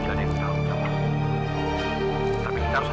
kamu tuh kalau jalan lihat lihat dong